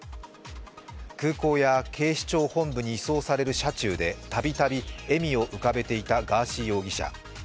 空港や警視庁本部に移送される車中でたびたび笑みを浮かべていたガーシー容疑者。